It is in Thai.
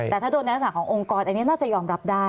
แต่ถ้าโดนในลักษณะขององค์กรอันนี้น่าจะยอมรับได้